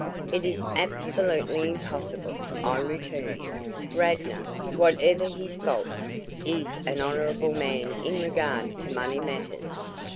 "It is absolutely impossible," I returned. "Radnor, whatever his faults, is an honorable man in regard to money matters.